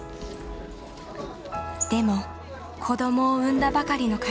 でも子どもを産んだばかりの体。